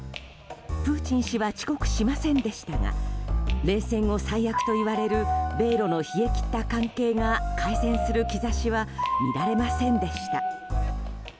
プーチン氏は遅刻しませんでしたが冷戦後最悪といわれる米露の冷え切った関係が改善する兆しは見られませんでした。